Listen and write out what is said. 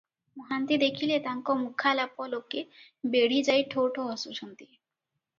ମହାନ୍ତି ଦେଖିଲେ, ତାଙ୍କ ମୁଖାଳାପ ଲୋକେ ବେଢିଯାଇ ଠୋ ଠୋ ହସୁଛନ୍ତି ।